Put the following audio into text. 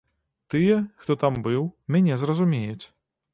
Тыя, хто там быў, мяне зразумеюць.